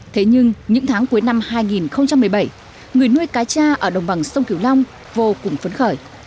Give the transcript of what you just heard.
thế nhưng những tháng cuối năm hai nghìn một mươi bảy người nuôi cá cha ở đồng bằng sông kiều long vô cùng phấn khởi